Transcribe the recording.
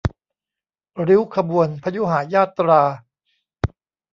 ริ้วขบวน พยุหยาตรา